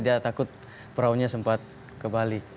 dia takut perahunya sempat kebalik